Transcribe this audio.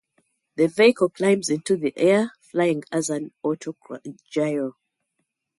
The vehicle climbs into the air, flying as an autogyro.